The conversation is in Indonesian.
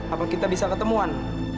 apa kita bisa ketemuan